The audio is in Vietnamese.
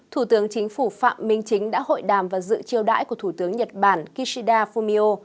thủ tướng chính phủ phạm minh chính đã hội đàm và dự chiêu đãi của thủ tướng nhật bản kishida fumio